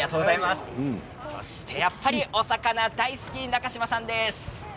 やっぱりお魚大好き中島さんです。